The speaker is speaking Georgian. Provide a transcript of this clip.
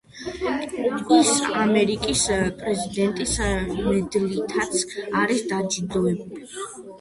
ის ამერიკის პრეზიდენტის მედლითაც არის დაჯილდოებული.